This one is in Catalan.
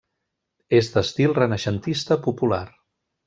És d'estil renaixentista popular.